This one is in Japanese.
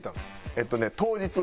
えっとね当日に。